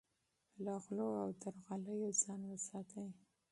له غلو او درغلیو ځان وساتئ.